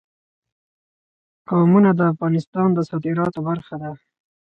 قومونه د افغانستان د صادراتو برخه ده.